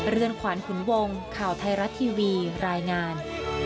เรือนขวานขุนวงข่าวไทยรัฐทีวีรายงาน